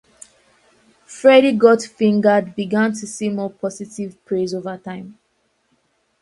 "Freddy Got Fingered" began to see more positive praise over time.